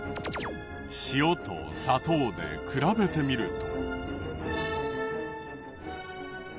塩と砂糖で比べてみると。